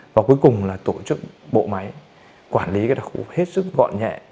và cuối cùng là tổ chức bộ máy quản lý cái đặc khu hết sức gọn nhẹ